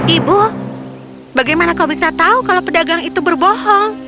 ibu bagaimana kau bisa tahu kalau pedagang itu berbohong